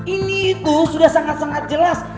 ini itu sudah sangat sangat jelas